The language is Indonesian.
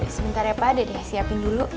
sebentar ya pak dedek siapin dulu